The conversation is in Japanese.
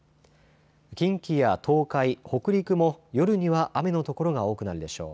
近畿や東海、北陸も夜には雨の所が多くなるでしょう。